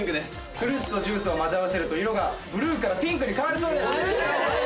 フルーツとジュースを混ぜ合わせると色がブルーからピンクに変わるそうです！